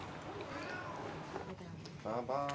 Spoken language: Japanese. ババーン。